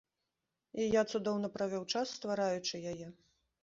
І я цудоўна правёў час, ствараючы яе.